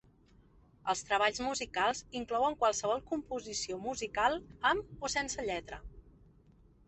Els treballs musicals inclouen qualsevol composició musical amb o sense lletra.